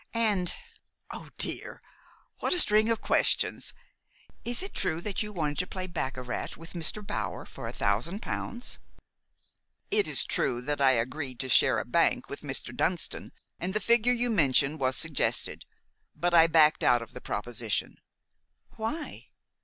And oh, dear! what a string of questions! is it true that you wanted to play baccarat with Mr. Bower for a thousand pounds?" "It is true that I agreed to share a bank with Mr. Dunston, and the figure you mention was suggested; but I backed out of the proposition." "Why?"